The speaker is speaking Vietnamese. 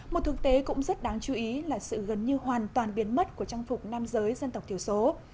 một thực tế cũng rất đáng chú ý là sự gần như hoàn toàn biến mất của trang phục nam giới dân tộc thiểu số